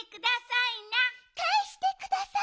かえしてください。